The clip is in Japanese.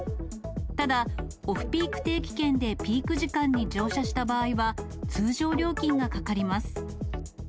ただ、オフピーク定期券でピーク時間に乗車した場合は、通常料金がかかります。